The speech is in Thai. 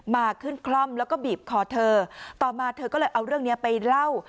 มาขึ้นคล่อมแล้วก็บีบคอเธอต่อมาเธอก็เลยเอาเรื่องนี้ไปเล่า